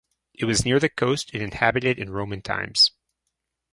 It was near the coast and inhabited in Roman times.